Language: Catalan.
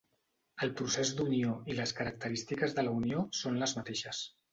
El procés d'unió i les característiques de la unió són les mateixes.